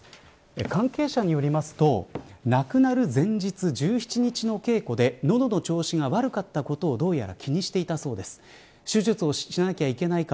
関係者によると亡くなる前日、１７日の稽古で喉の調子が悪かったことをどうやら気にしていたそうです。